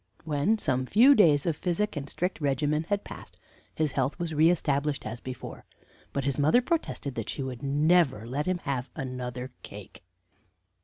When some few days of physic and strict regimen had passed, his health was re established as before; but his mother protested that she would never let him have another cake."